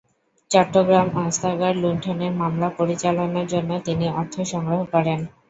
চট্টগ্রাম অস্ত্রাগার লুণ্ঠনের মামলা পরিচালনার জন্য তিনি অর্থ সংগ্রহ করেন।